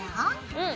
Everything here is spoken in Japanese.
うん。